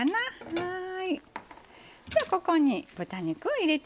はい。